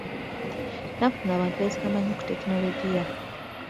Ennaku zino abantu beesigama nnyo ku tekinologiya.